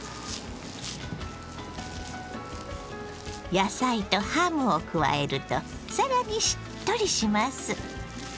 野菜とハムを加えると更にしっとりします。